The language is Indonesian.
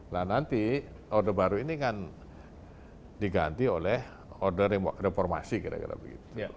nah nanti orde baru ini kan diganti oleh order reformasi kira kira begitu